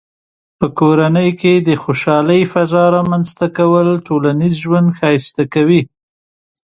په کورنۍ کې د خوشحالۍ فضاء رامنځته کول ټولنیز ژوند ښایسته کوي.